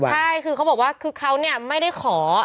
ใช่คือเขาบอกว่าคือเขาเนี่ยไม่ได้ขอ